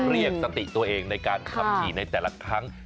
เรียกสติตัวเองในการขับขี่ในแต่ละครั้ง